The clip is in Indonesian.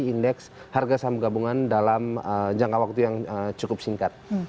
indeks harga saham gabungan dalam jangka waktu yang cukup singkat